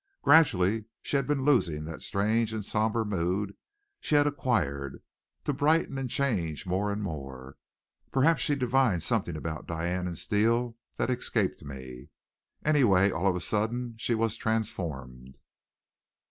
Gradually she had been losing that strange and somber mood she had acquired, to brighten and change more and more. Perhaps she divined something about Diane and Steele that escaped me. Anyway, all of a sudden she was transformed.